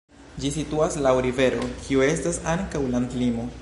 Ĝi situas laŭ rivero, kiu estas ankaŭ landlimo.